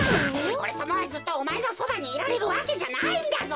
おれさまはずっとおまえのそばにいられるわけじゃないんだぞ。